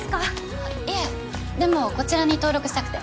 あっいえでもこちらに登録したくて。